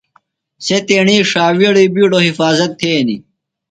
سےۡ تیݨی ݜاوِیڑی بِیڈوۡ حفاظت تھینیۡ۔